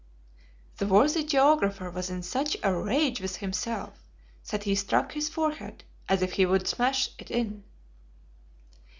The worthy geographer was in such a rage with himself, that he struck his forehead as if he would smash it in.